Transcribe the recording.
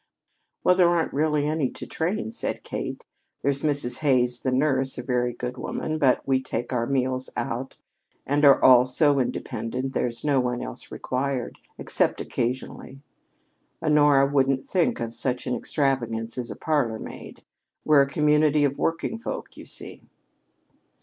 "Well, there aren't really any to train," said Kate. "There's Mrs. Hays, the nurse, a very good woman, but as we take our meals out, and are all so independent, there's no one else required, except occasionally. Honora wouldn't think of such an extravagance as a parlor maid. We're a community of working folk, you see."